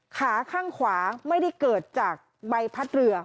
ขาข้างขวาไม่ได้เกิดจากใบพัดเรือ